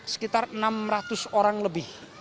sekitar enam ratus orang lebih